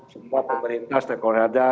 semua pemerintah setiap korea ada